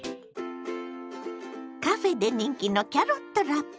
カフェで人気のキャロットラペ。